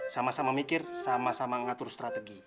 sama sama mikir sama sama ngatur strategi